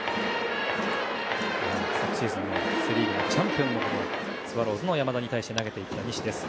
昨シーズンのセ・リーグのチャンピオンのスワローズの山田に対し投げていった西です。